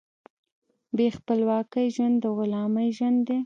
بې خپلواکۍ ژوند د غلامۍ ژوند دی.